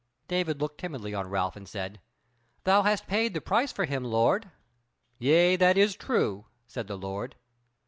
David looked timidly on Ralph and said: "Thou hast paid the price for him, lord." "Yea, that is true," said the Lord.